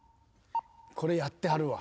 これやってはるわ。